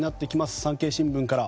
産経新聞から。